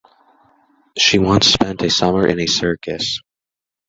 She once spent a summer in a circus.